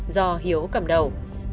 do hiếu cầm đầu